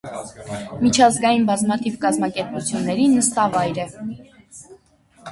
Միջազգային բազմաթիվ կազմակերպությունների նստավայր է։